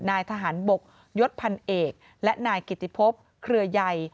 นายทหารบกยศพันเอกและนายกิติพบเครือใหญ่